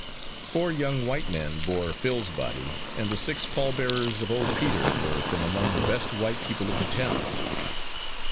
Four young white men bore Phil's body and the six pallbearers of old Peter were from among the best white people of the town.